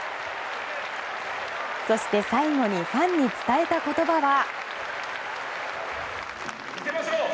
そして最後にファンに伝えた言葉は。